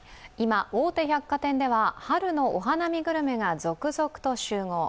今、大手百貨店では春のお花見グルメが続々と集合。